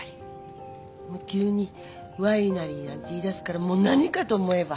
急にワイナリーなんて言いだすからもう何かと思えば。